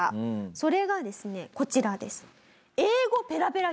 それがですねこちらです。